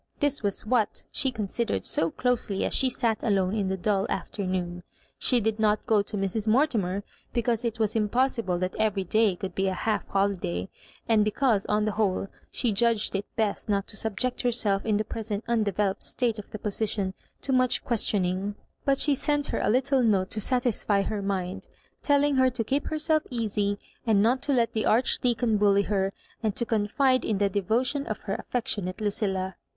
This was what she considered so closely as she sat alone in the dull afternoon. She did not go to Mrs. Mortimer, because it was im possible that eyery day could be a half holiday, and because, on the whole, she judged it best not to subject herself, in the present undeveloped state of the position, to much questioning; but she sent her a little note to satisfy her mind, tell ing her to keep herself easy, and not to let the Arehdeacon bully her, and to confide in the de votion of her affectionate Lucilla.